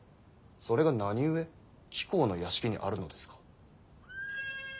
それが何故貴公の邸にあるのですか？